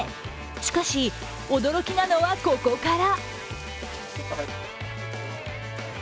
しかし、驚きなのはここから。